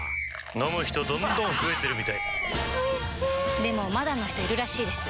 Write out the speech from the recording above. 飲む人どんどん増えてるみたいおいしでもまだの人いるらしいですよ